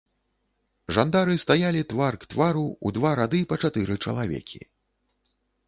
Жандары стаялі твар к твару ў два рады, па чатыры чалавекі.